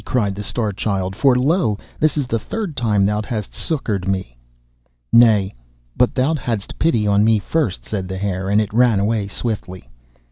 cried the Star Child, 'for lo! this is the third time thou hast succoured me.' 'Nay, but thou hadst pity on me first,' said the Hare, and it ran away swiftly.